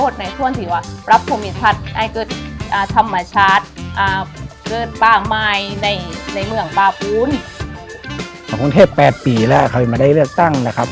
หวังคง๘ปีแล้วเขามาได้เลือกตั้งนะครับ